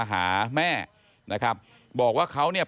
หาแม่นะครับบอกว่าเขาเนี่ย